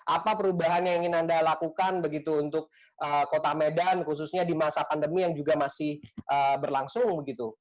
apa perubahan yang ingin anda lakukan begitu untuk kota medan khususnya di masa pandemi yang juga masih berlangsung begitu